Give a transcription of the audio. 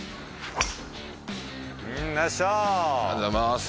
ありがとうございます。